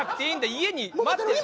家に待ってる。